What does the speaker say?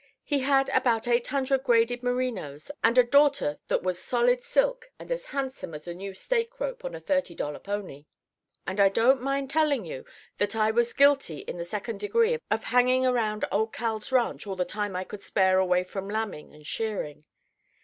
He had about eight hundred graded merinos and a daughter that was solid silk and as handsome as a new stake rope on a thirty dollar pony. And I don't mind telling you that I was guilty in the second degree of hanging around old Cal's ranch all the time I could spare away from lambing and shearing.